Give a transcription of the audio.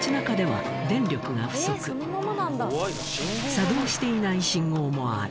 作動していない信号もある。